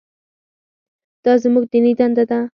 دا زموږ دیني دنده ده.